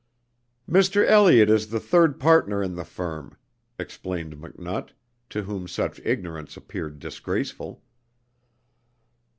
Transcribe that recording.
"Mr. Elliot is the third partner in the firm," explained McNutt, to whom such ignorance appeared disgraceful.